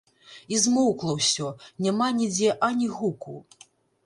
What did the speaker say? І змоўкла ўсё, няма нідзе ані гуку.